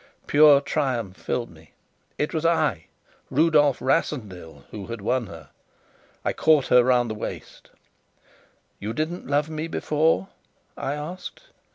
Pure triumph filled me. It was I Rudolf Rassendyll who had won her! I caught her round the waist. "You didn't love me before?" I asked.